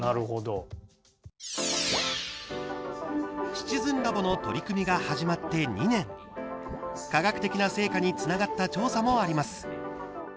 「シチズンラボ」の取り組みが始まって２年科学的な成果につながった調査もあります。